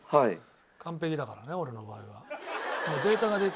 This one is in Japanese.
完璧だからね俺の場合は。